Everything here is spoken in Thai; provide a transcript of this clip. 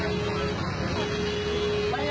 มันก็เลี่ยวส่วน